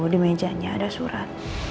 di mejanya ada surat